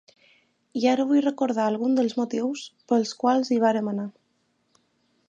I ara vull recordar algun dels motius pels quals hi vàrem anar.